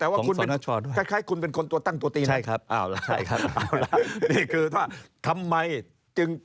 แต่ว่าคุณคล้ายคุณเป็นคนตัวตั้งตัวตีน